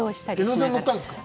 江ノ電に乗ったんですか。